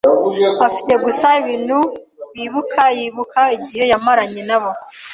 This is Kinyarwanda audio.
Afite gusa ibintu bibuka yibuka igihe yamaranye nabo.